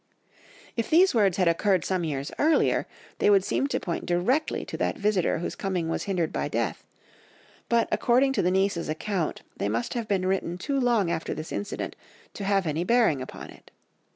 If these words had occurred some years earlier, they would seem to point directly to that visitor whose coming was hindered by death, but, according to the niece's account, they must have been written too long after this incident to have any bearing upon it.